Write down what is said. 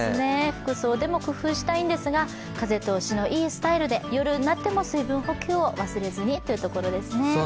服装でも工夫したいんですが、風通しのいいスタイルで夜になっても水分補給を忘れずにというところですね。